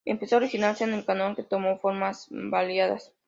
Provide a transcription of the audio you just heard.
Empezó a originarse el canon, que tomó formas variadas.